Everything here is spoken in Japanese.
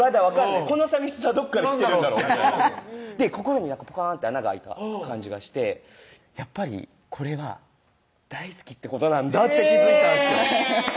この寂しさはどこから来てるんだろうみたいな心にポカーンって穴があいた感じがしてやっぱりこれは大好きってことなんだって気付いたんすよ